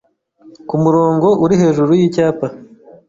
kumurongo uri hejuru yicyapa